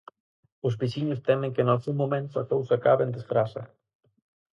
Os veciños temen que nalgún momento a cousa acabe en desgraza.